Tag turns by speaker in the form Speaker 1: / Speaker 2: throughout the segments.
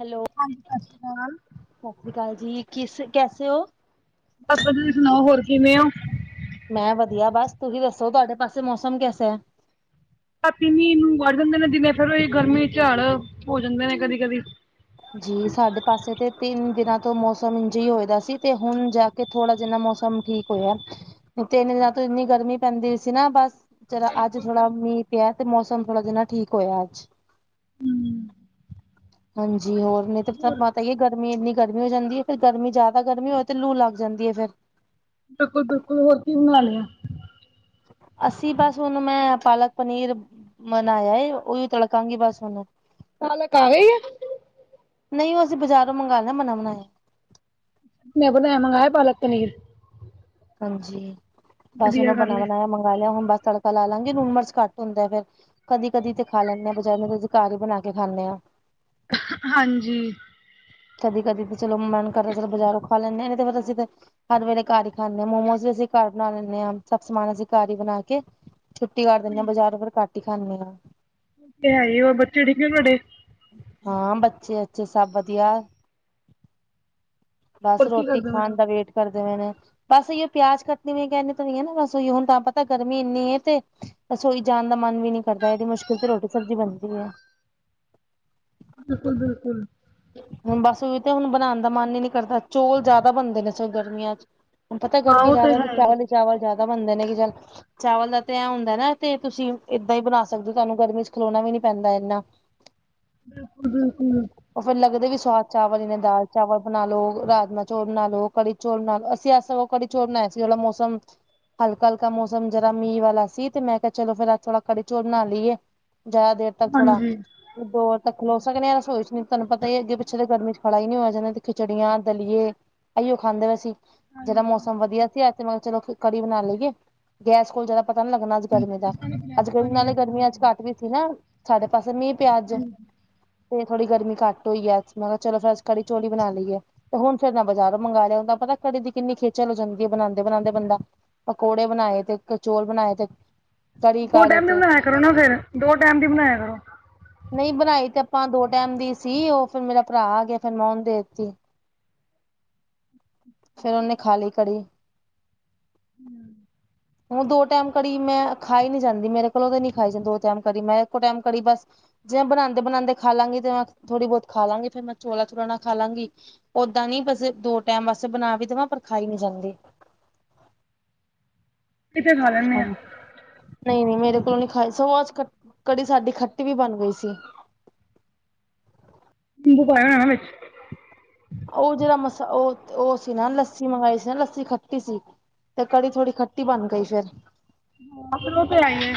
Speaker 1: Hello.
Speaker 2: ਹਾਂਜੀ ਸਤਿ ਸ਼੍ਰੀ ਅਕਾਲ।
Speaker 1: ਸਤਿ ਸ੍ਰੀ ਅਕਾਲ ਜੀ, ਕਿਸ ਕੈਸੇ ਹੋ।
Speaker 2: ਆਪਾ ਦੀ ਸੁਣਾਓ ਹੋਰ ਕਿਵੇਂ ਔ।
Speaker 1: ਮੈਂ ਵਧੀਆਂ ਬਸ, ਤੁਹੀਂ ਦੱਸੋ ਤੁਹਾਡੇ ਪਾਸੇ ਮੌਸਮ ਕੈਸਾ ਹੈ।
Speaker 2: ਰਾਤੀ ਮੀਂਹ ਨੂੰ ਵੱਰ ਜਾਂਦੇ ਨੇ, ਦਿਨੇ ਫੇਰ ਓਹੀ ਗਰਮੀ ਝੜ ਹੋ ਜਾਂਦੇ ਨੇ ਕਦੀ-ਕਦੀ।
Speaker 1: ਜੀ ਸਾਡੇ ਪਾਸੇ ਤੇ ਤਿੰਨ ਦਿਨਾਂ ਤੋਂ ਮੌਸਮ ਇੰਜ ਹੀ ਹੋਏ ਦਾ ਸੀ, ਤੇ ਹੁਣ ਜਾਕੇ ਥੋੜਾ ਜਿਨਾ ਮੌਸਮ ਠੀਕ ਹੋਇਆ। ਓ ਤਿੰਨ ਦਿਨਾਂ ਤੋਂ ਏਨੀ ਗਰਮੀ ਪੈਂਦੀ ਪਈ ਸੀ ਨਾ ਬਸ ਜ਼ਰਾ ਅੱਜ ਥੋੜਾ ਮੀਂਹ ਪਿਆ, ਤੇ ਮੌਸਮ ਥੋੜਾ ਜਿੰਨਾਂ ਠੀਕ ਹੋਇਆ ਅੱਜ। ਜੀ ਹੋਰ, ਨਹੀਂ ਤਾਂ ਤੁਹਾਨੂੰ ਪਤਾ ਏ ਗਰਮੀ ਏਨੀ ਗਰਮੀ ਹੋ ਜਾਂਦੀ ਹੈ, ਫਿਰ ਗਰਮੀ ਜਿਆਦਾ ਗਰਮੀ ਹੋਵੇ ਤੇ ਲੂ ਲੱਗ ਜਾਂਦੀ ਐ ਫਿਰ
Speaker 2: ਬਿਲਕੁਲ- ਬਿਲਕੁਲ ਹੋਰ ਕੀ ਬਣਾ ਲਿਆਂ।
Speaker 1: ਅਸੀਂ, ਬਸ ਹੁਣ ਮੈਂ ਪਾਲਕ ਪਨੀਰ ਬਣਾਇਆ ਏ, ਉਹੀਓ ਤੱੜਕਾਗੀ ਬਸ ਹੁਣ
Speaker 2: ਪਾਲਕ ਆ ਗਈ ਐ
Speaker 1: ਨਹੀਂ, ਉਹ ਅਸੀਂ ਬਜ਼ਾਰੋਂ ਮੰਗਾਨੇ ਆ, ਬਨਾ-ਬਨਾਇਆ।
Speaker 2: ਮੈਂ ਬਨਾਇਆ, ਮੰਗਾਇਆ ਪਾਲਕ ਪਨੀਰ।
Speaker 1: ਹਾਂਜੀ, ਬਸ
Speaker 2: ਵਧੀਆ
Speaker 1: ਉਹਨੂੰ
Speaker 2: ਕਰ ਲਿਆ
Speaker 1: ਬਨਾ-ਬਣਾਇਆ ਮੰਗਾਲਿਆ, ਹੁਣ ਬਸ ਤੜਕ ਤੜਕਾ ਲਾ ਲਾਂਗੇ, ਲੂਣ, ਮਿਰਚ ਘੱਟ ਹੁੰਦਾ ਏ ਫੇਰ, ਕਦੀ-ਕਦੀ ਤੇ ਖਾ ਲੈਂਨੇ ਆ ਬਜ਼ਾਰ ਦੀ, ਨੀ ਤਾ ਅਸੀ ਘਰ ਈ ਬਣਾਕੇ ਖਾਂਨੇ ਆ।
Speaker 2: ਹਾਂਜੀ।
Speaker 1: ਕਦੀ-ਕਦੀ ਤੇ ਚਲੋ ਮਨ ਕਰਦਾ ਚਲੋ ਬਾਜ਼ਾਰੋਂ ਖਾ ਲੈਨੇ ਆ, ਨੀ ਤੇ ਫਿਰ ਅਸੀਂ ਤੇ ਹਰ ਵੇਲੇ ਘਰ ਹੀ ਖਾਂਨੇ ਆ, ਮੋਮੋਸ ਵੀ ਅਸੀ ਘਰ ਬਣਾ ਲੈਂਨੇ ਆ, ਸਭ ਸਮਾਨ ਅਸੀਂ ਘਰ ਹੀ ਬਣਾਕੇ ਛੁੱਟੀ ਕਰ ਦਿੰਨੇ ਆ, ਬਜ਼ਾਰੋ ਫਿਰ ਘੱਟ ਹੀ ਖਾਂਨੇ ਆ।
Speaker 2: ਤੇ ਹੈਹੀ ਓ, ਹੋਰ ਬੱਚੇ ਠੀਕ ਆ ਥੁਹਾਡੇ?
Speaker 1: ਹਾਂ, ਬੱਚੇ-ਅੱਚੇ ਸਭ ਵਧੀਆ। ਬਸ,
Speaker 2: ਹੋਰ ਕੀ
Speaker 1: ਰੋਟੀ
Speaker 2: ਕਰਦੇ ਪਏ
Speaker 1: ਖਾਣ
Speaker 2: ਹੋ
Speaker 1: ਦਾ‌ ਵੇਟ ਕਰਦੇ ਪਏ ਨੇ, ਬਸ ਏਈਓ ਪਿਆਜ ਕੱਟਣੇ ਵੀ ਕਹਿੰਦੇ ਤਾਂ ਨ ਹੈ ਨਾ, ਬਸ ਹੁਣ ਤਾਂ ਪਤਾ ਗਰਮੀ ਇੰਨੀ ਏ, ਤੇ ਰਸੋਈ'ਚ ਜਾਣ ਦਾ ਮਨ ਵੀ ਨੀ ਕਰਦਾ, ਏਡੀ ਮੁਸ਼ਕਿਲ ਤੇ ਰੋਟੀ ਸਬਜ਼ੀ ਬਣਦੀ ਏ।
Speaker 2: ਬਿਲਕੁਲ-ਬਿਲਕੁਲ।
Speaker 1: ਹੁਣ ਬਸ ਉਈ ਤੇ, ਹੁਣ ਬਣਾਣ ਦਾ ਮਨ ਈ ਨੀ ਕਰਦਾ, ਚੌਲ ਜ਼ਿਆਦਾ ਬਨਦੇ ਨੇ ਸਗੋ ਗਰਮੀਆਂ'ਚ। ਹੁਣ ਪਤਾ,
Speaker 2: ਹਾਂ
Speaker 1: ਗਰਮੀ
Speaker 2: ਉਹ ਤੇ
Speaker 1: ਜ਼ਿਆਦਾ
Speaker 2: ਹੈ
Speaker 1: ਚਾਵਲ ਹੀ ਚਾਵਲ ਜਿਆਦਾ ਬਣਦੇ ਨੇ, ਕਿ ਚੱਲ ਚਾਵਲ ਦਾ ਤੇ ਐ ਹੁੰਦਾ ਨਾ, ਤੇ ਤੁਸੀਂ ਏਦਾਂ ਹੀ ਬਣਾ ਸਕਦੇ ਹੋ, ਤੁਹਾਨੂੰ ਗਰਮੀ'ਚ ਖਲੋਣਾ ਵੀ ਨੀ ਪੈਂਦਾ ਇੰਨਾ।
Speaker 2: ਬਿਲਕੁਲ-ਬਿਲਕੁਲ।
Speaker 1: ਓ ਫੇਰ ਲੱਗਦੇ ਵੀ ਸੁਵਾਦ ਚਾਵਲ ਈ ਨੇ, ਦਾਲ-ਚਾਵਲ ਬਣਾਲੋ, ਰਾਜਮਾਂ-ਚੋਲ ਬਣਾਲੋ, ਕੜੀ ਚੋਲ ਨਾਲ, ਅਸੀਂ ਅੱਜ ਸਗੋ ਕੜੀ ਚੋਲ ਬਨਾਏ ਸੀ, ਓ ਲਾ ਮੌਸਮ ਹਲਕਾ-ਹਲਕਾ ਮੌਸਮ ਜ਼ਰਾ ਮੀਂਹ ਵਾਲਾ ਸੀ, ਤੇ ਮੈਂ ਕਿਹਾ ਚਲੋ ਫਿਰ, ਅੱਜ ਥੋੜਾ ਕੜੀ ਚੋਲ ਬਣਾ ਲੀਏ। ਜ਼ਿਆਦਾ ਦੇਰ ਤੱਕ ਥੋੜਾ,
Speaker 2: ਹਾਂਜੀ
Speaker 1: ਓਪਰੋ ਹੋਰ ਤਕ ਖਲੋ ਸਕਦੇ ਆਂ, ਰਸੋਈ'ਚ ਨਹੀਂ। ਤੁਹਾਨੂੰ ਪਤਾ ਈਏ, ਅੱਗੇ ਪਿੱਛੇ ਦੇ ਗਰਮੀ'ਚ ਖੜਾ ਹੀ ਨਹੀਂ ਹੋਈਆ ਜਾਂਦਾ, ਤੇ ਖਿਚੜੀਆਂ, ਦਲੀਏ ਐਈਓ ਖਾਂਦੇ ਪੇ ਸੀ। ਜਿਹੜਾ ਮੌਸਮ ਵਧੀਆ ਸੀ, ਅੱਜ ਤੇ ਮੈ ਚਲੋ ਕੜੀ ਬਣਾ ਲਈਏ, ਗੈਸ ਕੋਲ ਜਿਹੜਾ ਪਤਾ ਨੀ ਲੱਗਣਾ ਅੱਜ ਗਰਮੀ ਦਾ, ਅੱਜ ਗਰਮੀ ਨਾਲੇ ਗਰਮੀਆਂ ਅੱਜ ਘੱਟ ਵੀ ਸੀ ਨਾ, ਸਾਡੇ ਪਾਸੇ ਮੀਂਹ ਪਿਆ ਅੱਜ, ਤੇ ਥੋੜੀ ਗਰਮੀ ਘੱਟ ਹੋਈ ਐ, ਮੈਂ ਕਿਹਾ ਚਲੋ ਫਿਰ ਅੱਜ ਕੜੀ-ਚੋਲ ਈ ਬਣਾ ਲੀਏ, ਤੇ ਹੁਣ ਫਿਰ ਨਾ ਬਜ਼ਾਰੋਂ ਮੰਗਾਲੈ ਓਦਾ, ਪਤਾ ਕੜੀ ਦੀ ਕਿੰਨੀ ਖੇਚਲ ਹੋ ਜਾਂਦੀ ਏ, ਬਣਾਂਦੇ-ਬਣਾਂਦੇ ਬੰਦਾ ਪਕੌੜੇ ਬਣਾਏ ਤੇ, ਇਕ ਚੋਲ ਬਣਾਏ ਤੇ ਕੜੀ
Speaker 2: ਦੋ
Speaker 1: ਕਾੜੇ
Speaker 2: ਟੈਮ ਦੀ
Speaker 1: ਤੇ
Speaker 2: ਬਣਾਇਆ ਕਰੋ ਨਾ ਫੇਰ, ਦੋ ਟੈਮ ਦੀ ਬਣਾਇਆ ਕਰੋ।
Speaker 1: ਨਹੀਂ ਬਣਾਈ ਤੇ ਆਪਾਂ ਦੋ ਟਾਈਮ ਦੀ ਸੀ, ਉਹ ਫਿਰ ਮੇਰਾ ਭਰਾ ਆਗਿਆ, ਫਿਰ ਮੈਂ ਉਹਨ ਦੇ ਤੀ। ਫਿਰ, ਉਹਨੇ ਖਾਲੀ ਕੜੀ।
Speaker 2: [inaudible]
Speaker 1: ਹੁਣ ਦੋ ਟਾਈਮ ਕੜੀ, ਮੈਂ ਖਾਈ ਨੀ ਜਾਂਦੀ ਮੇਰੇ ਕੋਲੋਂ ਤਾਂ ਨੀ ਖਾਈ ਜਾਂਦੀ ਦੋ ਟੈਮ ਕੜੀ ਮੈਂ ਇੱਕੋ ਟੈਮ ਬਸ ਜਿਵੇਂ ਬਣਾਂਦੇ-ਬਣਾਂਦੇ ਖਾਲਾਂਗੀ, ਤੇ ਮੈਂ ਥੋੜ੍ਹੀ-ਬਹੁਤ ਖਾਲਾਂਗੀ, ਫਿਰ ਮੈਂ ਚੌਲਾ-ਚੁਲਾਂ ਨਾਲ ਖਾਲਾਂਗੀ। ਓਦਾਂ ਨੀ ਬਸ, ਦੋ ਟੈਮ ਵਾਸਤੇ ਬਣਾ ਵੀ ਦਵਾਂ, ਪਰ ਖਾਈ ਨੀ ਜਾਂਦੀ।
Speaker 2: ਕਿਤੇ ਖਾ ਲੈਂਨੇ ਆ।
Speaker 1: ਨਹੀਂ-ਨਹੀਂ, ਮੇਰੇ ਕੋਲੋਂ ਨੀ ਖਾਈ, ਸ ਅਜ ਕੜੀ ਸਾਡੀ ਖੱਟੀ ਵੀ ਬਣ ਗਈ ਸੀ।
Speaker 2: ਨਿੰਬੂ ਪਾਇਆ ਹੋਣਾ ਵਿੱਚ?
Speaker 1: ਉਹ ਜਿਹੜਾ ਮਸ, ਉਹ, ਉਹ ਸੀ ਨਾ ਲੱਸੀ ਮੰਗਾਈ ਸੀ ਨਾ, ਲੱਸੀ ਖੱਟੀ ਸੀ। ਤੇ, ਕੜੀ ਥੋੜ੍ਹੀ ਖੱਟੀ ਬਣ ਗਈ ਫਿਰ।
Speaker 2: ਹਾ ਫਿਰ ਓਹ ਤੇ ਹੈਈ ਏ,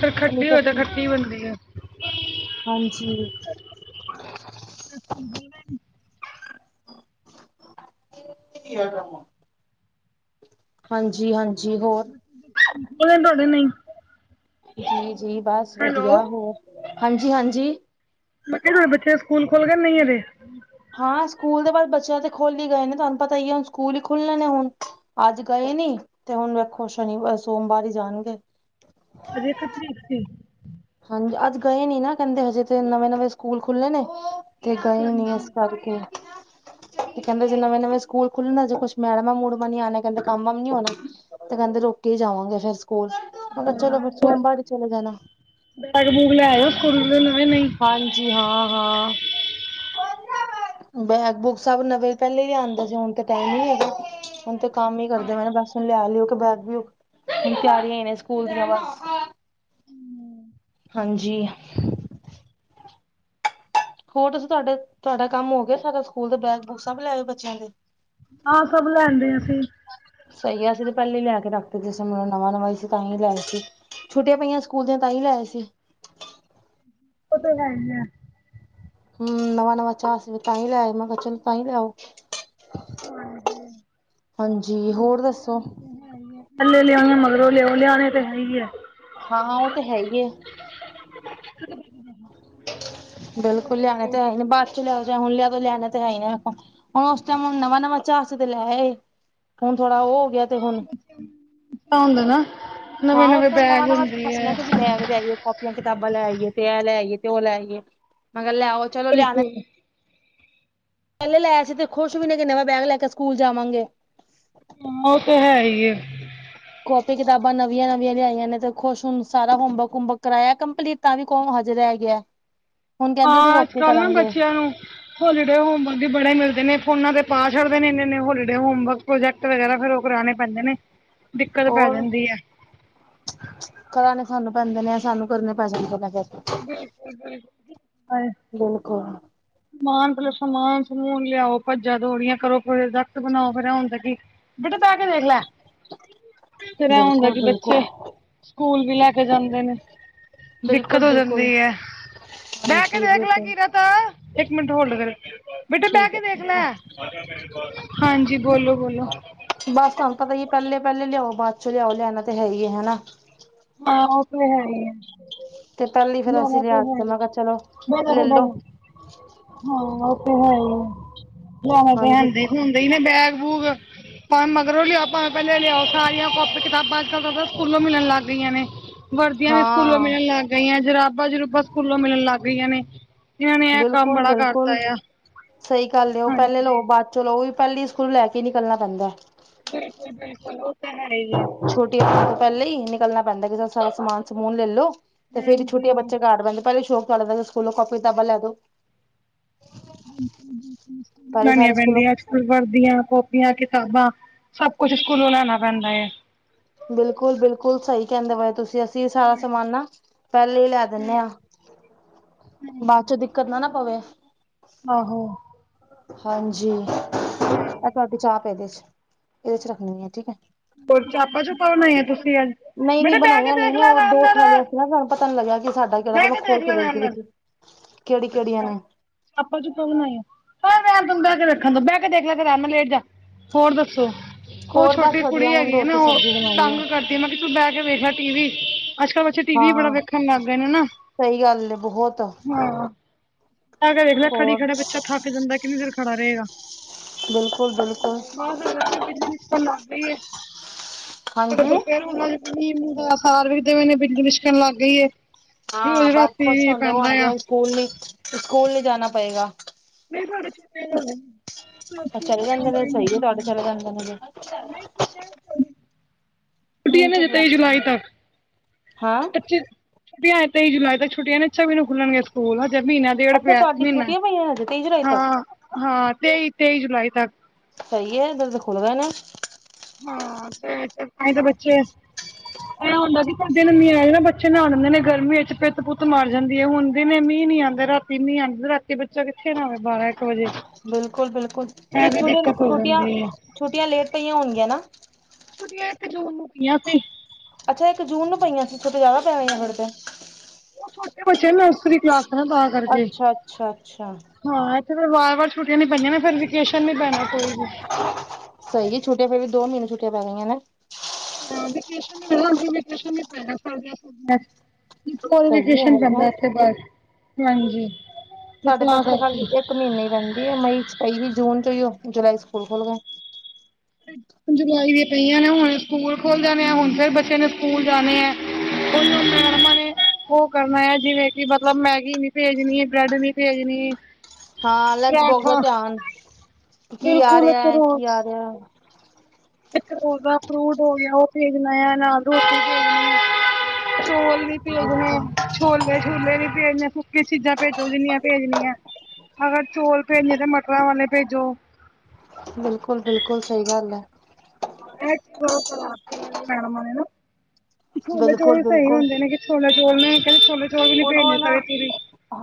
Speaker 2: ਫਿਰ
Speaker 1: ਨਹੀਂ
Speaker 2: ਖੱਟੀ
Speaker 1: ਤਾਂ
Speaker 2: ਹੋਏ ਤੇ
Speaker 1: ਸੀ
Speaker 2: ਖੱਟੀ ਬਣਦੀ ਐ।
Speaker 1: ਹਾਂਜੀ। ਕੀ ਆ [unintelligible] ਹਾਂਜੀ ਹਾਂਜੀ, ਹੋਰ?
Speaker 2: ਓ ਦਿਨ ਤੁਹਾਡੇ ਨਹੀਂ।
Speaker 1: ਜੀ ਜੀ ਬਸ ਵਧੀਆ,
Speaker 2: ਹੈਲੋ
Speaker 1: ਹੋਰ? ਹਾਂਜੀ ਹਾਂਜੀ।
Speaker 2: ਮੈਂ ਕਿਆ ਤੁਹਾਡੇ ਬੱਚਿਆਂ ਦੇ ਸਕੂਲ ਖੁੱਲ ਗਏ ਕਿ ਨਹੀਂ ਅਜੇ?
Speaker 1: ਹਾਂ, ਸਕੂਲ ਤੇ ਪਰ ਬੱਚਿਆਂ ਦੇ ਖੁੱਲ ਹੀ ਗਏ ਨੇ, ਤੁਹਾਨੂੰ ਪਤਾ ਹੀ ਐ ਹੁਣ ਸਕੂਲ ਹੀ ਖੁੱਲਣੇ ਨੇ ਹੁਣ। ਅੱਜ ਗਏ ਨੀ ਤੇ ਹੁਣ ਵੇਖੋ ਸ਼ਨੀਵਾਰ ਸੋਮਵਾਰ ਹੀ ਜਾਣਗੇ।
Speaker 2: ਅੱਜ ਇੱਕ ਤਰੀਕ ਸੀ।
Speaker 1: ਹਾਂਜੀ, ਅੱਜ ਗਏ ਨੀ ਨਾ ਕਹਿੰਦੇ ਹਜੇ ਤੇ ਨਵੇਂ-ਨਵੇਂ ਸਕੂਲ ਖੁੱਲ੍ਹੇ ਨੇ। ਤੇ ਗਏ ਨੀ ਇਸ
Speaker 2: ਹਾਂਜੀ
Speaker 1: ਕਰਕੇ। ਤੇ ਕਹਿੰਦੇ ਅਜੇ ਨਵੇਂ-ਨਵੇਂ ਸਕੂਲ ਖੁੱਲੇ ਨੇ, ਅਜੇ ਕੁਛ ਮੈਡਮਾਂ-ਮੂਡਮਾਂ ਨੀ ਆਣਾ, ਕਹਿੰਦੇ ਕੰਮ ਵੰਮ ਨੀ ਆਣਾ। ਤੇ ਕਹਿੰਦੇ ਰੁੱਕ ਕੇ ਹੀ ਜਾਵਾਂਗੇ ਫੇਰ ਸਕੂਲ, ਮੈਂ ਕਿਹਾ ਚਲੋ ਫੇਰ ਸੋਮਵਾਰ ਹੀ ਚਲੇ ਜਾਣਾ।
Speaker 2: ਬੈਗ ਬੂਗ ਲੈ ਆਏ ਓ ਸਕੂਲ ਦੇ ਨਵੇਂ ਨਹੀਂ?
Speaker 1: ਜੀ, ਹਾਂ ਹਾਂ। ਬੈਗ ਬੂਗ ਸਭ ਨਵੇਂ ਪਹਿਲੇ ਹੀ ਲਿਆਂਦੇ ਸੀ ਹੁਣ। ਤੇ ਟਾਈਮ ਨੀ ਹੈਗਾ, ਹੁਣ ਤੇ ਕੰਮ ਈ ਕਰਦੇ ਪਏ ਨੇ ਬਸ ਹੁਣ ਲਿਆ ਲੂ ਕੇ ਬੈਗ ਬੂਗ। ਹੁਣ ਤਿਆਰੀਆਂ ਹੀ ਨੇ ਸਕੂਲ ਦੀਆਂ ਬਸ। ਹਾਂਜੀ। ਹੋਰ ਤੁਸੀਂ ਤੁਹਾਡੇ ਤੁਹਾਡਾ ਕੰਮ ਹੋ ਗਿਆ ਸਾਰਾ ਸਕੂਲ ਦਾ, ਬੈਗ ਬੂਗ ਸਭ ਲੈ ਆਏ ਬੱਚਿਆਂ ਦੇ?
Speaker 2: ਹਾਂ, ਸਭ ਲੈਣ ਦੇ ਅਸੀਂ।
Speaker 1: ਸਹੀ ਆ, ਅਸੀਂ ਤੇ ਪਹਿਲੇ ਹੀ ਲਿਆ ਕੇ ਰੱਖਤੇ ਸੀ, ਜਿਸ ਟੈਮ ਨਵਾਂ ਨਵਾਂ ਸੀ ਤਾਂ ਹੀ ਲੈ ਆਏ ਸੀ। ਛੁੱਟੀਆਂ ਪਈਆਂ ਸਕੂਲ ਦੀਆਂ ਤਾਂ ਹੀ ਲੈ ਆਏ ਸੀ।
Speaker 2: ਉਹ ਤਾਂ ਹੈ ਹੀ ਐ।
Speaker 1: ਹੂੰ, ਨਵਾਂ-ਨਵਾਂ ਚਾਅ ਸੀ ਤਾਂਹੀ ਲੈ ਆਏ, ਮੈਂ ਕਿਹਾ ਚਲ ਤਾਂ ਹੀ ਲੈ ਆਓ। ਹਾਂਜੀ, ਹੋਰ ਦੱਸੋ?
Speaker 2: ਪਹਿਲੇ ਲਿਆਓ ਜਾਂ ਮਗਰੋਂ ਲਿਆਓ, ਲਿਆਉਣੇ ਤੇ ਹੈ ਹੀ ਐ।
Speaker 1: ਹਾਂ ਉਹ ਤੇ ਹੈ ਹੀ ਏ। ਬਿਲਕੁਲ ਲਿਆਣੇ ਤੇ ਹੈ ਹੀ ਨੇ, ਬਾਅਦ ਚ ਲਿਆਉ ਜਾਂ ਹੁਣ ਲਿਆ ਦੋ ਲੈਣੇ ਤੇ ਹੈ ਹੀ ਨੇ ਆਪਾਂ। ਹੁਣ ਉਸ ਟਾਈਮ ਹੁਣ ਨਵਾਂ-ਨਵਾਂ ਚਾਅ ਸੀ ਤੇ ਲੈ ਆਏ, ਹੁਣ ਥੋੜਾ ਉਹ ਹੋ ਗਿਆ ਤੇ ਹੁਣ
Speaker 2: [inaudible] ਹੁੰਦਾ ਨਾ।
Speaker 1: ਹਾਂ,
Speaker 2: ਨਵੇਂ
Speaker 1: ਉਸ
Speaker 2: ਨਵੇਂ
Speaker 1: ਟਾਈਮ
Speaker 2: ਬੈਗ
Speaker 1: ਨਵਾਂ-ਨਵਾਂ ਚਾਅ
Speaker 2: ਹੁੰਦੇ
Speaker 1: ਸੀ ਨਾ
Speaker 2: ਹੈ
Speaker 1: ਕਿ ਬੈਗ ਲਿਆਈਏ, ਕੋ ਕਾਪੀਆਂ, ਕਿਤਾਬਾਂ ਲੈ ਆਈਏ ਤੇ ਐ ਲੈ ਆਈਏ ਤੇ ਓ ਲੈ ਆਈਏ, ਮੈਂ ਆਖਿਆ ਲੈ ਆਉ।
Speaker 2: ਬਿਲਕੁਲ।
Speaker 1: ਪਹਿਲੇ ਲਿਆ ਸੀ ਤੇ ਖੁਸ਼ ਵੀ ਨੇ ਕਿ ਨਵਾਂ ਬੈਗ ਲੈ ਕੇ ਸਕੂਲ ਜਾਵਾਂਗੇ।
Speaker 2: ਹਾਂ, ਓ ਤੇ ਹੈ ਹੀ ਏ।
Speaker 1: ਕੋਪੀ, ਕਿਤਾਬਾਂ ਨਵੀਆਂ-ਨਵੀਆਂ ਲਿਆਈਆਂ ਨੇ ਤੇ ਖੁਸ਼, ਹੁਣ ਸਾਰਾ ਹੋਮਵਰਕ ਹੂਮਵਰਕ ਕਰਾਇਆ ਕੰਪਲੀਟ। ਤਾਂ ਵੀ ਕਵੋਂ ਹਜੇ ਰਹਿ ਗਿਆ। ਹੁਣ ਕਹਿੰਦੇ ਅਸੀਂ
Speaker 2: ਹਾਂ,
Speaker 1: ਰੁਕ
Speaker 2: ਅੱਜ
Speaker 1: ਕੇ
Speaker 2: ਕੱਲ ਨਾ
Speaker 1: ਕਰਾਂਗੇ
Speaker 2: ਬੱਚਿਆਂ ਨੂੰ ਹੋਲੀਡੇ ਹੋਮਵਰਕ ਵੀ ਬੜੇ ਮਿਲਦੇ ਨੇ, ਫ਼ੋਨਾਂ ਤੇ ਪਾ ਛਡਦੇ ਨੇ ਏਨੇ ਏਨੇ ਹੋਲੀਡੇ ਹੋਮਵਰਕ। ਪ੍ਰੋਜੈਕਟ ਵਗੈਰਾ ਫੇਰ ਉਹ ਕਰਾਣੇ ਪੈਂਦੇ ਨੇ, ਦਿੱਕਤ ਪੈ
Speaker 1: ਹੋਰ
Speaker 2: ਜਾਂਦੀ ਐ।
Speaker 1: ਕਰਾਣੇ ਸਾਨੂੰ ਪੈਂਦੇ ਨੇ, ਸਾਨੂੰ ਕਰਨੇ ਪੈ ਜਾਂਦੇ ਨੇ ਫਿਰ।
Speaker 2: ਬਿਲਕੁਲ ਬਿਲਕੁਲ।
Speaker 1: ਬਿਲਕੁਲ।
Speaker 2: ਸਮਾਨ ਮਤਲਬ ਸਮਾਨ ਸਮੂਨ ਲਿਆਓ, ਭੱਜਾਂ ਦੌੜੀਆਂ ਕਰੋ, ਪ੍ਰੋਜੈਕਟ ਬਣਾਓ ਫੇਰ [inaudible] [unintelligible]
Speaker 1: [unintelligible]
Speaker 2: ਫਿਰ ਐ ਹੁੰਦਾ ਕਿ ਬੱਚੇ
Speaker 1: ਬਿਲਕੁਲ-ਬਿਲਕੁਲ,
Speaker 2: ਸਕੂਲ ਵੀ ਲੈ ਕੇ ਜਾਂਦੇ ਨੇ। ਦਿੱਕਤ ਹੋ
Speaker 1: ਬਿਲਕੁਲ-ਬਿਲਕੁਲ
Speaker 2: ਜਾਂਦੀ ਐ ਬੈ ਕੇ
Speaker 1: ਹਾਂਜੀ
Speaker 2: ਦੇਖ ਲੈ
Speaker 1: ਬਿਲਕੁਲ
Speaker 2: ਕੀ ਕਰ ਇੱਕ ਮਿੰਟ ਹੋਲਡ
Speaker 1: ਠੀਕ ਹੈ
Speaker 2: ਕਰੇ
Speaker 1: ਠੀਕ
Speaker 2: ਓ
Speaker 1: ਹੈ
Speaker 2: ਹਾਂਜੀ ਬੋਲੋ-ਬੋਲੋ।
Speaker 1: ਬਸ ਤੁਆਨੂੰ ਤਾਂ ਪਤਾ ਈ ਐ ਪੈਲੇ-ਪੈਲੇ ਲਿਆਓ ਬਾਅਦ ਚੋਂ ਲਿਆਓ ਲਿਆਣਾ ਤਾਂ ਹੈ ਏ ਹੈਨਾ
Speaker 2: ਹਾਂ ਓ ਤੇ ਹੈ ਈ ਐ।
Speaker 1: ਤੇ ਪਹਿਲੀ ਫੇਰ ਅਸੀਂ
Speaker 2: ਗਿਆਰਾਂ ਸੌ
Speaker 1: ਲਿਆ
Speaker 2: ਦਾ,
Speaker 1: ਤੇ ਮੈਂ ਕਿਹਾ ਚਲੋ
Speaker 2: ਗਿਆਰਾਂ ਸੌ ਦਾ
Speaker 1: ਲੈਲੋ
Speaker 2: ਈ ਐ। ਹਾਂ ਓ ਤੇ ਹੈ ਈ
Speaker 1: ਹਾਂਜੀ
Speaker 2: [unintelligible] ਨੇ ਬੈਗ ਬੂਗ ਭਾਵੇ ਮਗਰੋਂ ਲਿਆਓ ਭਾਵੇਂ ਪੈਲੇ ਲਿਆਓ ਸਾਰੀਆਂ ਕਾਪੀ ਕਿਤਾਬਾਂ ਜਦੋਂ ਤੋਂ ਸਕੂਲੋਂ ਮਿਲਣ ਲੱਗ ਗਈਆਂ ਨੇ ਵਰਦੀਆਂ ਵੀ ਸਕੂਲੋਂ ਮਿਲਣ
Speaker 1: ਹਾਂ
Speaker 2: ਲੱ ਗਈਆਂ ਨੇ, ਜਰਾਬਾਂ ਸਕੂਲੋਂ ਮਿਲਣ ਲੱਗ ਗਈਆਂ ਨੇ। ਇਹਨਾਂ ਨੇ ਇਹ ਕੰਮ ਬੜਾ ਕਰਤਾ
Speaker 1: ਬਿਲਕੁਲ
Speaker 2: ਆ
Speaker 1: ਸਈ ਗੱਲ ਐ ਓ ਪੈਲੇ
Speaker 2: ਹਾਂਜੀ
Speaker 1: ਲੋਕ ਬਾਦ ਚਲੋ ਓ ਵੀ ਪੈਲੀ ਸਕੂਲ ਲੈ ਕੇ ਈ ਨਿਕਲਣਾ ਪੈਂਦਾ।
Speaker 2: ਬਿਲਕੁਲ ਬਿਲਕੁਲ ਓ ਤਾਂ ਹੈ ਈ ਐ।
Speaker 1: ਛੂਟੀਆਂ ਹੋਣ ਤੋਂ ਪੈਲਾਂ ਈ ਨਿਕਲਣਾ ਪੈਂਦਾ ਕਿ ਚਲੋ ਸਮਾਨ-ਸਮੂਨ ਲੈ ਲੋ। ਤੇ ਫੇਰ ਛੂਟੀਆਂ ਬੱਚੇ ਕਾਢ ਲੈਂਦੇ ਪੈਲੇ [unintelligible] ਚੱਲਦਾ ਸਕੂਲੋਂ ਕਾਪੀ ਕਿਤਾਬਾਂ ਲੈ ਦੋ। ਪਹਿਲੇ
Speaker 2: ਬਣਾਣੀਆਂ
Speaker 1: ਸਾਰੇ ਸਕੂਲੋਂ
Speaker 2: ਪੈਂਦੀਆਂ ਅੱ ਫੇ ਵਰਦੀਆਂ ਕੋਪੀਆਂ-ਕਿਤਾਬਾਂ ਸਬ ਕੁਛ ਸਕੂਲੋਂ ਲੈਣਾ ਪੈਂਦਾ ਏਐ।
Speaker 1: ਬਿਲਕੁਲ-ਬਿਲਕੁਲ ਸਈ ਕੈਂਦੇ ਪਏ ਓ ਤੁਸੀਂ ਅਸੀਂ ਸਾਰਾ ਸਮਾਨ ਨਾ ਪੈਲੇ ਈ ਲੈ ਦਿੰਦੇ ਆਂ। ਬਾਦ ਚ ਦਿੱਕਤ ਨਾ ਨਾ ਪਵੇ।
Speaker 2: ਆਹੋ।
Speaker 1: ਹਾਂਜੀ ਏਹ ਤੁਆਡੀ ਚਾਹ ਪ ਏਦੇ ਚ ਏਦੇ ਚ ਰੱਖਣੀ ਐ ਠੀਕ ਐ।
Speaker 2: ਹੋਰ ਚਾਪਾਂ-ਚੂਪਾ ਬਣਾਈ ਆ ਤੁਸੀਂ ਅੱਜ?
Speaker 1: ਨਈਂ-ਨਈਂ
Speaker 2: ਬੇਟਾ ਬਹਿ ਕੇ
Speaker 1: ਬਣਾਈਆਂ ਨੀ
Speaker 2: ਦੇਖ
Speaker 1: ਨਾ
Speaker 2: ਲੈ
Speaker 1: ਓ
Speaker 2: ਆਰਾਮ
Speaker 1: ਦੋ
Speaker 2: ਨਾਲ
Speaker 1: ਥੈਲੀਆਂ ਸੀ ਨਾ ਸਾਨੂੰ ਪਤਾ ਨੀ ਲੱਗਿਆ ਕਿ ਸਾਡਾ ਕੇੜਾ ਤੇ
Speaker 2: ਬਹਿ
Speaker 1: ਮੈਂ ਖੋਲ
Speaker 2: ਦੇਖ
Speaker 1: ਕੇ
Speaker 2: ਲੈ ਆਰਾਮ
Speaker 1: ਦੇਖਦੀ ਪਈ
Speaker 2: ਨਾਲ
Speaker 1: ਸੀ। ਕਿਹੜੀ ਕਿਹੜੀਆਂ
Speaker 2: ਅੱਛਾ।
Speaker 1: ਨੇ
Speaker 2: ਆਪਾ [unintelligible] ਬੈ ਕੇ ਦੇਖਣ ਦੋ ਬੈ ਕੇ ਦੇਖ ਲੈ ਆਰਾਮ ਨਾ ਲੇਟ ਜਾ। ਹੋਰ ਦੱਸੋ? ਓ
Speaker 1: ਹੋਰ ਬਸ
Speaker 2: ਛੋਟੀ
Speaker 1: ਵਧੀਆ
Speaker 2: ਕੁੜੀ
Speaker 1: ਹੁਣ
Speaker 2: ਹੈਗੀ ਆ ਨਾ
Speaker 1: ਰੋਟੀ
Speaker 2: ਓ
Speaker 1: ਸਬਜ਼ੀ ਬਣਾਈ ਹੈ
Speaker 2: ਤੰਗ ਕਰਦੀ ਐ ਮੈਂ ਕਿਆ ਤੂੰ ਬੈ ਕੇ ਵੇਖ ਲੈ ਟੀ ਵੀ। ਅੱਜ-ਕਲ ਬੱਚੇ ਟੀ ਵੀ ਬੜਾ
Speaker 1: ਹਾਂ
Speaker 2: ਵੇਖਣ ਲੱਗ ਗਏ ਨੇ ਨਾ,
Speaker 1: ਸਹੀ ਗੱਲ ਹੈ ਬਹੁਤ
Speaker 2: ਹਾਂ। ਕੇ ਦੇਖ ਲਿਆ ਖੜੀ
Speaker 1: ਹੋਰ
Speaker 2: ਖੜਾ ਬੱਚਾ ਥੱਕ ਕੇ ਜਾਂਦਾ ਕਿ ਕਿੰਨੀ ਦੇਰ ਫਿਰ ਖੜਾ ਰਏਗਾ।
Speaker 1: ਬਿਲਕੁਲ-ਬਿਲਕੁਲ।
Speaker 2: ਫੇਰ ਬਿਜਲੀ ਲਿਸ਼ਕਨ ਲੱਗ ਪਈ ਐ ਸਾਡੇ
Speaker 1: ਹਾਂਜੀ
Speaker 2: ਤੋਂ ਫੇਰ ਹੁਨ। [unintelligible] ਬਿੱਜਲੀ ਬਿਸ਼ਕਣ ਲੱਗ ਪਈ ਏ।
Speaker 1: ਹਾਂ ਬਸ ਖੁਸ਼ ਹੁੰਦੇ ਹੋਣ ਗੇ
Speaker 2: ਆ
Speaker 1: ਹੁਣ ਸਕੂਲ ਨੀ ਸਕੂਲ ਨੀ ਜਾਣਾ ਪਏਗਾ।
Speaker 2: ਨਈਂ ਸਾਡੇ ਚਿੱਟੇ ਨੀ ਹੋਣੇ।
Speaker 1: ਅ ਚਲੇ ਜਾਂਦੇ ਨੇ ਸਈ ਐ ਤੁਆਡੇ ਚਲੇ ਜਾਂਦੇ ਨੇ ਜੇ।
Speaker 2: ਛੁੱਟੀ ਏ ਨਾ ਜੀ ਤੇਈ ਜੁਲਾਈ
Speaker 1: ਜੇ।
Speaker 2: ਤੱਕ।
Speaker 1: ਹਾਂ।
Speaker 2: ਪੱਚੀ ਛੁੱਟੀਆਂ ਨੇ ਤੇਈ ਜੁਲਾਈ ਤੱਕ ਛੁਟੀਆਂ ਨੇ ਛੱਬੀ ਵੀ ਨੂੰ ਖੁੱਲਣ ਗੇ ਸਕੂਲ ਹਜੇ ਮੀਨਾ ਡੇਢ
Speaker 1: ਅੱਛਾ
Speaker 2: ਪਿਆ
Speaker 1: ਤੁਹਾਡੀ
Speaker 2: ਮੀਨਾ
Speaker 1: ਛੁੱਟੀਆਂ ਪਈਆਂ ਹਜੇ ਤੇਈ ਜੁਲਾਈ ਤੱਕ
Speaker 2: ਐ ਹਾਂ ਤੇਈ-ਤੇਈ ਜੁਲਾਈ ਤੱਕ।
Speaker 1: ਸਈ ਐ ਦੁੱਦ ਖੁਰਦਾ ਨੀ।
Speaker 2: ਹਾਂ ਤੇ ਤਾਂ ਹੀ ਤੇ ਬੱਚੇ ਇਉ ਹੁੰਦਾ ਵੀ ਕਿ ਸਾਡੇ ਦਿਨ ਨੀ ਆਏ ਨਾ ਬੱਚੇ ਨਾ ਲੈਂਦੇ ਨੇ ਗਰਮੀਆਂ ਚ ਪਿਤ-ਪੁੱਤ ਮਰ ਜਾਂਦੀ ਐ ਹੁਣ ਤੇ ਮੀਂਹ ਨੀ ਆਂ ਰਾਤੀ ਮੀਂਹ ਆਂਦਾ ਰਾਤੀ ਬੱਚਾ ਕਿੱਥੇ ਨਾ ਵੇ ਬਾਰਾਂ ਇੱਕ ਵਜੇ।
Speaker 1: ਬਿਲਕੁਲ-ਬਿਲਕੁਲ,
Speaker 2: ਇਹ
Speaker 1: ਫਿਰ
Speaker 2: ਵੀ
Speaker 1: ਥੋਡੀਆਂ
Speaker 2: ਦਿੱਕਤ ਹੋ ਜਾਂਦੀ ਹੈ
Speaker 1: ਛੁਟੀਆਂ-ਛੁੱਟੀਆਂ ਲੇਟ ਪਈਆਂ ਹੋਣਗੀਆਂ ਨਾ।
Speaker 2: ਛੁੱਟੀਆਂ ਇੱਕ ਜੂਨ ਨੂੰ ਪੀਆਂ ਤੇ,
Speaker 1: ਅੱਛਾ ਇੱਕ ਜੂਨ ਨੂੰ ਪਈਆਂ ਸੀ ਛੁਟੀਆ ਜਿਆਦਾ ਪੈ ਗਈਆਂ ਫੇਰ ਤੇ।
Speaker 2: ਛੋਟੇ ਬੱਚੇ ਨੇ ਨਰਸਰੀ ਕਲਾਸ ਨਾ ਤਾਂ ਕਰਕੇ
Speaker 1: ਅੱਛਾ- ਅੱਛਾ, ਅੱਛਾ।
Speaker 2: ਹਾਂ ਇੱਥੇ ਫੇਰ ਵਾਰ- ਵਾਰ ਛੁੱਟੀਆਂ ਨੀ ਪਈਆਂ ਨੇ ਫੇਰ ਵਕੇਸ਼ਨ ਨੀ ਪੈਣਾ ਕੋਈ ਵੀ।
Speaker 1: ਸਹੀ ਜੇ ਛੁੱਟੀਆਂ ਫੇਰ ਵੀ ਦੋ ਮਹੀਨੇ ਛੁੱਟੀਆਂ ਪੈ ਜਾਣੀਆਂ ਨਾ।
Speaker 2: ਹਾਂ ਵਿਕੇਸ਼ਨ [unintelligible] ਪਹਿਲਾਂ ਵਕੇਸ਼ਨ ਪਹਿਲਾਂ ਨਾ ਪ ਕੀ ਪਤਾ
Speaker 1: ਸਹੀ ਹੈ
Speaker 2: ਵਕੇਸ਼ਨ
Speaker 1: ਵਧੀਆ
Speaker 2: ਪੈਂਦਾ ਇਥੇ ਬਸ, ਨਹੀਂ ਹਾਂਜੀ। ਤੇ
Speaker 1: ਸਾਡੇ ਪਾਸੇ ਤਾਂ
Speaker 2: ਕਰਕੇ
Speaker 1: ਖਾਲੀ ਇੱਕ ਮਹੀਨੇ ਹੀ ਪੈਂਦੀ ਮਈ ਚ ਪਈ ਜ ਜੂਨ ਚ ਹ ਉ ਜੁਲਾਈ ਚ ਸਕੂਲ ਖੁਲ ਗਏ।
Speaker 2: ਜੁਲਾਈ ਦੀਆਂ ਪਈਆਂ ਨੇ ਹੁਣ ਸਕੂਲ ਖੋਲ ਜਾਣੇ ਆ ਹੁਣ ਫੇਰ ਬੱਚੇ ਨੇ ਸਕੂਲ ਜਾਣੇ ਆ। ਉ ਕਰਨਾ ਹੈ ਜਿਵੇਂ ਕਿ ਮਤਲਬ ਮੈਗੀ ਨੀ ਭੇਜਨੀ ਬ੍ਰੈਡ ਨੀ ਭੇਜਣੀ।
Speaker 1: ਹਾਂ ਲੰਚ ਬੋਕਸ ਦਾ
Speaker 2: ਪਰਾਠਾ
Speaker 1: ਧਿਆਨ ਕੀ ਆ
Speaker 2: ਬਿਲਕੁਲ
Speaker 1: ਰਿਹਾ
Speaker 2: ਇੱਕ
Speaker 1: ਹੈ- ਕੀ
Speaker 2: ਰੋਜ਼
Speaker 1: ਆ ਰਿਹਾ।
Speaker 2: ਇੱਕ ਰੋਜ਼ ਦਾ ਫਰੂਟ ਹੋ ਗਿਆ ਉ ਭੇਜਣਾ ਆ, ਨਾਲ ਰੋਟੀ ਭੇਜਣੀ ਆ। ਚੋਲ ਨੀ ਭੇਜਣੇ,
Speaker 1: ਬਿਲਕੁਲ
Speaker 2: ਛੋਲੇ- ਛੂਲੇ ਨੀ ਭੇਜਣੇ ਸਕ- ਕੀ ਚੀਜ਼ਾਂ ਭੇਜੋ ਜਿੰਨੀਆਂ ਭੇਜਣੀਆਂ ਅਗਰ ਚੋਲ ਭੇਜਣੇ ਤੇ ਮਟਰਾਂ ਵਾਲੇ ਭੇਜੋ।
Speaker 1: ਬਿਲਕੁਲ- ਬਿਲਕੁਲ ਸਹੀ ਗੱਲ ਹੈ।
Speaker 2: ਐ ਜੀਚਾ ਕਰਵਾਤਿਆ ਇਨਾ ਦੀ ਮੈਡਮਾ ਨੇ ਨਾ। ਛੋਲੇ ਚੋਲ
Speaker 1: ਬਿਲਕੁਲ
Speaker 2: ਵੀ ਪਏ
Speaker 1: ਬਿਲਕੁਲ
Speaker 2: ਹੁੰਦੇ ਨੇ ਕਿਸ ਵੇਲੇ, ਚੋਲ ਮੈਂ ਕਹਿੰਦੇ ਛੋਲੇ ਚੋਲ ਵੀ ਨੀ
Speaker 1: ਹੁਣ ਉਹ
Speaker 2: ਭੇਜਨੇ
Speaker 1: ਨਾ
Speaker 2: ਪਏ ਪੂਰੀ।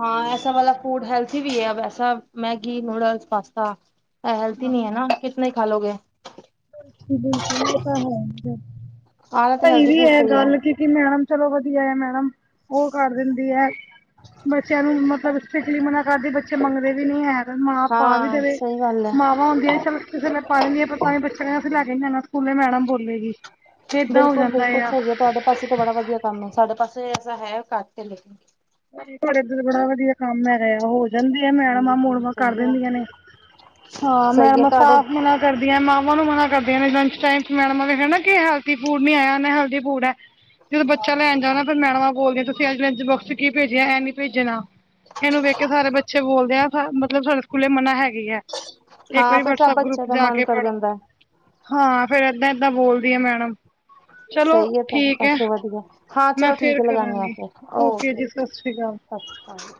Speaker 1: ਹਾਂ ਐਸਾ ਵਾਲਾ ਫੂਡ ਹੈਲਥੀ ਵੀ ਹੈ, ਐਸਾ ਮੈਗੀ, ਨੂਡਲਸ, ਪਾਸਤਾ। ਏ ਹੈਲਥਦੀ ਨਹੀਂ ਹੈ ਨਾ ਕਿਤਨੇ ਖਾ ਲੋੋਗੇ।
Speaker 2: ਬਿਲਕੁਲ ਉਹ ਤਾਂ ਹੈ ਹੀ ਐ,
Speaker 1: ਆਲਾ ਤਾਂ
Speaker 2: ਭਾਈ
Speaker 1: ਹੈਲਦੀ
Speaker 2: ਵੀ
Speaker 1: ਫੂਡ
Speaker 2: ਇਹ
Speaker 1: ਸਹੀ ਹੈ
Speaker 2: ਗੱਲ ਕਿ- ਕਿਵੇਂ ਆਨਾ ਚਲੋ ਵਧੀਆ ਹੈ ਮੈਡਮ ਉ ਕਰ ਦਿੰਦੀ ਹੈ, ਬੱਚਿਆਂ ਨੂੰ ਮਤਲਬ- ਫਿਕਲੀ ਮਨਾ ਕਰਦੇ ਬੱਚੇ ਮੰਗਦੇ ਵੀ ਨੀ ਐ ਮਾਂ ਪਾ ਵੀ
Speaker 1: ਹਾਂ
Speaker 2: ਦੇਵੇ
Speaker 1: ਸਹੀ ਗੱਲ ਹੈ
Speaker 2: ਮਾਵਾਂ ਹੁੰਦੀਆਂ ਚੱਲ ਕਿਸੇ- ਪਾਵੇਂ ਬੱਚਾ ਕਹਿੰ ਅਸੀਂ ਲੈ ਕੇ ਜਾਨਾ ਸਕੂਲੇ ਮੈਡਮ ਬੋਲੇਗੀ। ਏਦਾਂ ਹੋ
Speaker 1: ਬਿਲਕੁਲ-
Speaker 2: ਜਾਂਦਾ
Speaker 1: ਬਿਲਕੁਲ
Speaker 2: ਆ।
Speaker 1: ਸਕੂਲੇ ਤੁਹਾਡੇ ਪਾਸੇ ਤਾਂ ਬੜਾ ਵਧੀਆ ਕੰਮ ਹੈ, ਸਾਡੇ ਪਾਸੇ ਐਸਾ ਹੈ ਕਟ ਐ ਲੇ-
Speaker 2: ਤੁਹਾਡੇ ਇੱਧਰ ਬੜਾ ਵਧੀਆ ਕੰਮ ਹੈਗਾ ਹੋ। ਜਾਂਦੀ ਆ
Speaker 1: ਜੀ
Speaker 2: ਮੈਡਮਾਂ-
Speaker 1: ਜੀ
Speaker 2: ਮੂੜਮਾਂ ਕਰ
Speaker 1: ਸਹੀ ਹੈ।
Speaker 2: ਦਿੰਦੀਆਂ ਨੇ, ਹਾਂ
Speaker 1: ਸਹੀ ਹੈ
Speaker 2: ਮੈਡਮਾਂ
Speaker 1: ਤੁਹਾਡੇ
Speaker 2: ਸਾਫ਼ ਮਨਾ। ਕਰਦੀਆਂ ਮਾਵਾਂ ਨੂੰ ਮਨਾ ਕਰਦੀਆਂ ਨੇ ਲੰਚ ਟਾਈਮ ਚ ਮੈਡਮ ਦੇਖ ਨਾ ਕਿ ਹੈਲਥੀ ਫੂਡ ਨੀ ਆਆ ਨਾ ਹੈਲਥੀ ਫੂਡ ਐ। ਜਦੋਂ ਬੱਚਾ ਲੈਣ ਜਾਓਣਾ ਨਾ ਮੈਡਮਾਂ ਬੋਲਦੇ ਤੁਸੀਂ ਅੱਜ ਲੰਚ ਬੁੱਕਸ ਕੀ ਭੇਜਿਆ ਇਹਂ ਨੀ ਭੇਜਨਾ। ਇਹਨੂੰ ਵੇਖ ਕੇ ਸਾਰੇ ਬੱਚੇ ਬੋਲਦੇ ਆ ਮਤਲਬ ਸਾਡੇ ਸਕੂਲੇ ਮਨਾ ਹੈਗੀ ਹੈ। ਇੱਕ
Speaker 1: ਹਾਂ
Speaker 2: ਵਾਰੀ
Speaker 1: ਫਿਰ ਸਭ
Speaker 2: ਵਟਸਪ ਗਰੁੱਪ
Speaker 1: ਬੱਚਿਆਂ ਦਾ
Speaker 2: ਜਾ
Speaker 1: ਮਨ
Speaker 2: ਕੇ
Speaker 1: ਕਰ
Speaker 2: ਪੜੋ
Speaker 1: ਜਾਂਦਾ ਹੈ।
Speaker 2: ਹਾਂ ਫੇਰ ਏਦਾਂ- ਏਦਾਂ ਬੋਲਦੀ ਆ ਮੈਡਮ। ਚਲੋ
Speaker 1: ਸਹੀ ਹੈ ਤੁਹਾਡੇ
Speaker 2: ਠੀਕ
Speaker 1: ਪਾਸੇ ਵਧੀਆ, ਹਾਂ
Speaker 2: ਮੈਂ
Speaker 1: ਚਲੋ ਠੀਕ
Speaker 2: ਫੇਰ
Speaker 1: ਹੈ ਲਗਾਨੀ ਆ
Speaker 2: ਕਰਾਂਗੀ
Speaker 1: ਫੇਰ। ਓਕੇ
Speaker 2: ਜੀ ਸਤਿ ਸ਼੍ਰੀ ਅਕਾਲ।
Speaker 1: ਸਾਸ ਸ੍ਰੀ ਕਾਲ ਜੀ।